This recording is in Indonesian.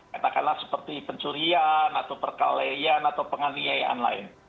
katakanlah seperti pencurian atau perkeleyan atau penganiayaan lain